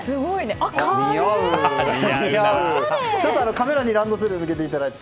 カメラにランドセルを向けていただいて。